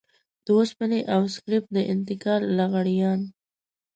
د وسپنې او سکريپ د انتقال لغړيان.